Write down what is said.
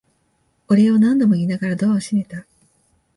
お礼を何度も言いながらドアを閉めた。